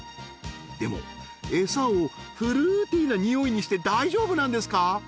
でもエサをフルーティーなニオイにして大丈夫なんですか？